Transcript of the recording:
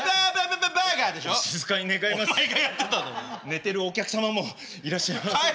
寝てるお客様もいらっしゃいますので。